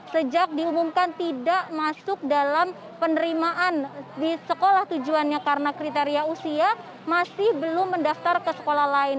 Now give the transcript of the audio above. sejak diumumkan tidak masuk dalam penerimaan di sekolah tujuannya karena kriteria usia masih belum mendaftar ke sekolah lain